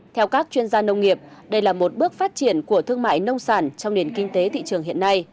theo các chuyên gia nông nghiệp đây là một bước phát triển của thương mại nông sản trong nền kinh tế thị trường hiện nay